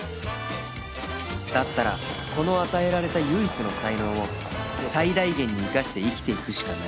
だったらこの与えられた唯一の才能を最大限に生かして生きていくしかない